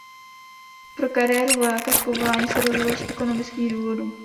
Pro kariéru vojáka z povolání se rozhodl z ekonomických důvodů.